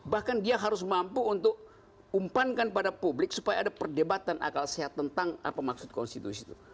bahkan dia harus mampu untuk umpankan pada publik supaya ada perdebatan akal sehat tentang apa maksud konstitusi itu